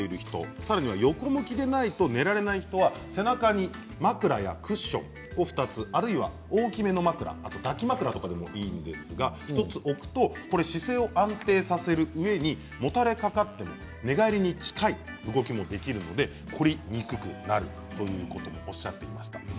さらに横向きでないと眠れない人は背中に枕やクッションを２つ、あるいは大きめの枕、抱き枕とかでもいいそうですが、１つ置くと姿勢を安定させるうえにもたれかかって寝返り近い状態ができるので凝りにくくなるということです。